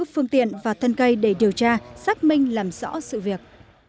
phương tiện và thân cây để điều tra xác minh làm rõ sự việc